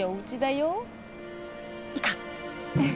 行こう。